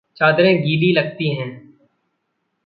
चादरें गीलीं लगतीं हैं।